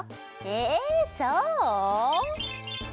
えそう？